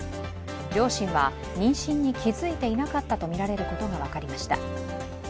両親は妊娠に気付いていなかったとみられることが分かりました。